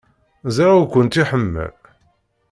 Ẓriɣ ur kent-iḥemmel.